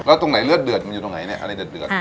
แล้วตรงไหนเลือดเดือดมันอยู่ตรงไหนเนี่ยอะไรเดือด